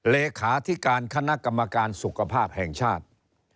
เลขาธิการคณะกรรมการสุขภาพแห่งชาติ